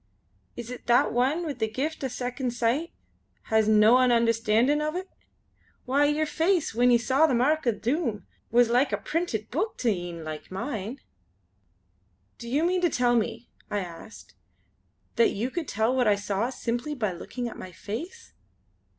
Is it that one with the Gift o' Second Sight has no an understandin' o' it. Why, yer face when ye saw the mark o' the Doom, was like a printed book to een like mine." "Do you mean to tell me" I asked "that you could tell what I saw, simply by looking at my face?"